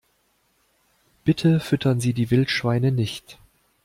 Bitte füttern Sie die Wildschweine nicht!